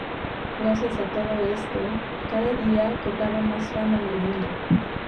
Gracias a todo esto, cada día cobraba más fama en el mundo.